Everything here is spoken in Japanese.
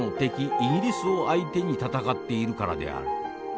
イギリスを相手に戦っているからである。